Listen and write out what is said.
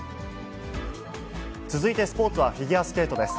続いてスポーツはフィギュアスケートです。